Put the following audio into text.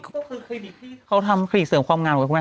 ก็คือคลินิกที่เขาทำคลิกเสริมความงามของคุณแม่